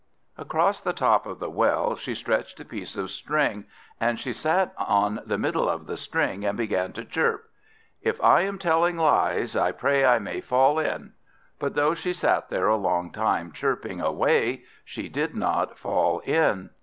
Across the top of the well she stretched a piece of string, and she sat on the middle of the string, and began to chirp, "If I am telling lies, I pray I may fall in." But though she sat there a long time, chirping away, she did not fall in.